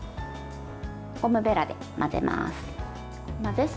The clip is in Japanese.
ゴムべらで混ぜます。